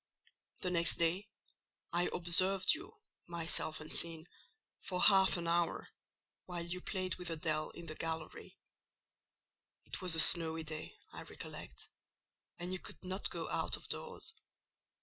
The next day I observed you—myself unseen—for half an hour, while you played with Adèle in the gallery. It was a snowy day, I recollect, and you could not go out of doors.